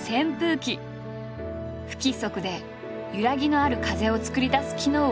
不規則でゆらぎのある風を作り出す機能を付けた。